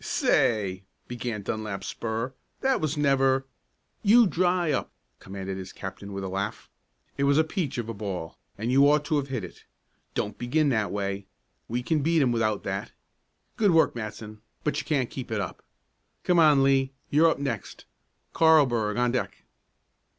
"Say," began Dunlap Spurr, "that was never " "You dry up!" commanded his captain with a laugh. "It was a peach of a ball, and you ought to have hit it. Don't begin that way. We can beat 'em without that. Good work, Matson, but you can't keep it up. Come on, Lee; you're up next. Carlburg on deck."